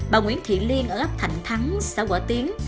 bà nguyễn thị liên ở góc thạnh thắng xã quả tiến